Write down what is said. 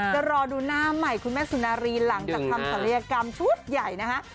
จะรอดูหน้าใหม่คุณแม่สุนารีหลังจากทำศัลยกรรมชุดใหญ่นะฮะ